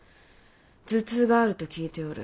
頭痛があると聞いておる。